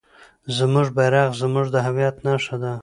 زموږ بیرغ زموږ د هویت نښه ده.